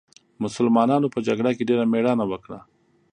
مسلمانانو په جګړه کې ډېره مېړانه وکړه.